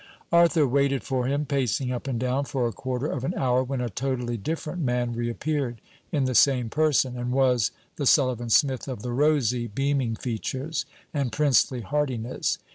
Arthur waited for him, pacing up and down, for a quarter of an hour, when a totally different man reappeared in the same person, and was the Sullivan Smith of the rosy beaming features and princely heartiness.